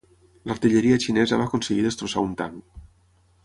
L'artilleria xinesa va aconseguir destrossar un tanc.